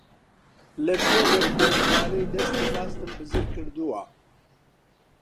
لە شوێنێک دەستوانەی دەستی ڕاستم بزر کردووە.